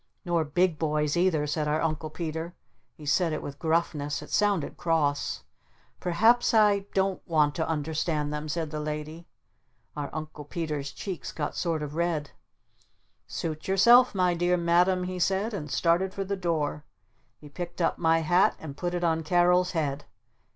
"Nor big boys either!" said our Uncle Peter. He said it with gruffness. It sounded cross. "Perhaps I don't want to understand them," said the Lady. Our Uncle Peter's cheeks got sort of red. "Suit yourself, my dear Madam," he said and started for the door. He picked up my hat and put it on Carol's head.